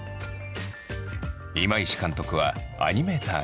今石監督はアニメーター出身。